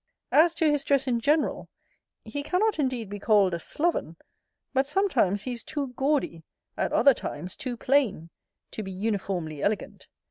As to his dress in general, he cannot indeed be called a sloven, but sometimes he is too gaudy, at other times too plain, to be uniformly elegant.